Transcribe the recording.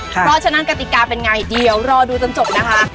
เพราะฉะนั้นกติกาเป็นไงเดี๋ยวรอดูจนจบนะคะ